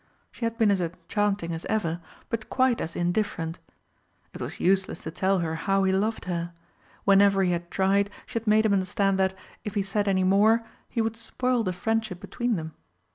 She had been as enchanting as ever, but quite as indifferent. It was useless to tell her how he loved her; whenever he had tried she had made him understand that, if he said any more, he would spoil the friendship between them.